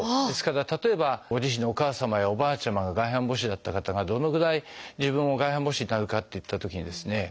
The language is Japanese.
ですから例えばご自身のお母様やおばあちゃまが外反母趾だった方がどのぐらい自分も外反母趾になるかといったときにですね